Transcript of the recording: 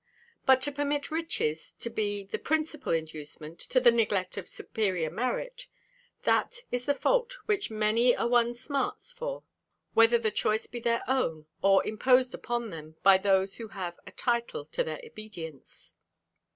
But to permit riches to be the principal inducement, to the neglect of superior merit, that is the fault which many a one smarts for, whether the choice be their own, or imposed upon them by those who have a title to their obedience.